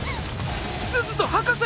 すずと博士！